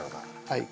はい。